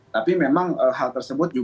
tapi memang hal tersebut